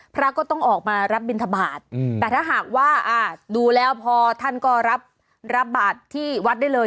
พระก็ต้องออกมารับบินทบาทแต่ถ้าหากว่าดูแล้วพอท่านก็รับรับบาทที่วัดได้เลย